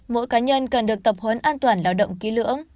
mỗi cá nhân cần được tập huấn an toàn lao động ký lưỡng